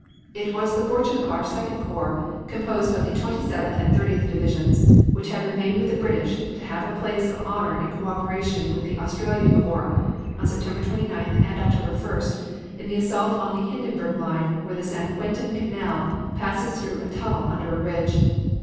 It was the fortune of our Second Corps, composed of the Twenty seventh and Thirtieth divisions, which had remained with the British, to have a place of honor in co operation with the Australian Corps, on September 29th and October 1st, in the assault on the Hindenburg line where the St. Quentin Canal passes through a tunnel under a ridge.